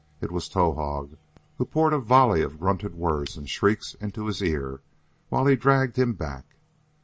It was Towahg who poured a volley of grunted words and shrieks into his ear, while he dragged him back.